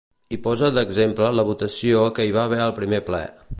i posa d'exemple la votació que hi va haver al primer ple